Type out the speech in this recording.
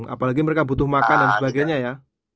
apalagi mereka butuh makan dan sebagainya ya